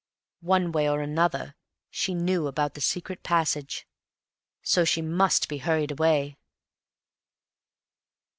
One way or another, she knew about the secret passage. So she must be hurried away.